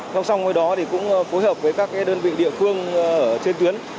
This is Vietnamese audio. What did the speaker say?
trong xong với đó cũng phối hợp với các đơn vị địa phương trên tuyến